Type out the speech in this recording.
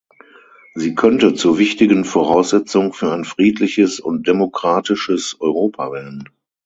Sie könnte zur wichtigen Voraussetzung für ein friedliches und demokratisches Europa werden.